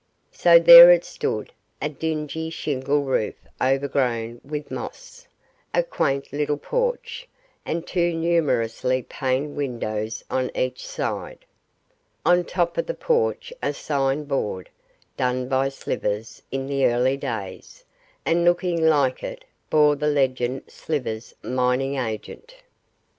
So there it stood a dingy shingle roof overgrown with moss a quaint little porch and two numerously paned windows on each side. On top of the porch a sign board done by Slivers in the early days, and looking like it bore the legend 'Slivers, mining agent.